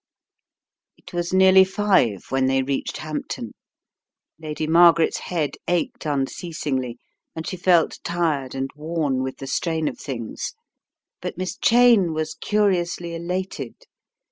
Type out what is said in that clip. It was nearly five when they reached Hampton. Lady Margaret's head ached unceasingly and she felt tired and worn with the strain of things. But Miss Cheyne was curiously elated.